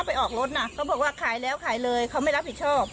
ไปออกรถน่ะเขาบอกว่าขายแล้วขายเลยเขาไม่รับผิดชอบ